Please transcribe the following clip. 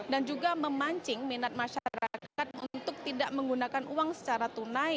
dan juga memancing minat masyarakat untuk tidak menggunakan uang secara tunai